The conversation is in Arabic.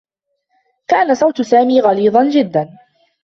كان صوت سامي غليظا جدّا.